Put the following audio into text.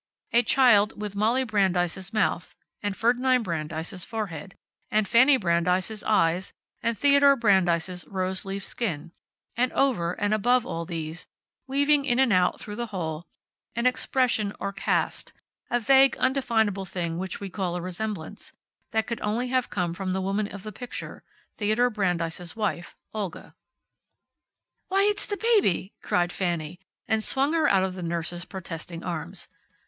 A child with Molly Brandeis' mouth, and Ferdinand Brandeis' forehead, and Fanny Brandeis' eyes, and Theodore Brandeis' roseleaf skin, and over, and above all these, weaving in and out through the whole, an expression or cast a vague, undefinable thing which we call a resemblance that could only have come from the woman of the picture, Theodore Brandeis' wife, Olga. "Why it's the baby!" cried Fanny, and swung her out of the nurse's protesting arms.